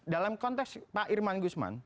dalam konteks pak irman gusman